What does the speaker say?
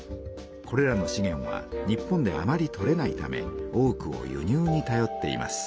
これらのしげんは日本であまりとれないため多くを輸入にたよっています。